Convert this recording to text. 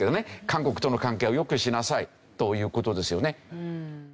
韓国との関係を良くしなさいという事ですよね。